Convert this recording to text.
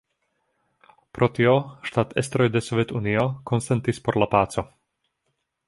Pro tio ŝtatestroj de Sovetunio konsentis por la paco.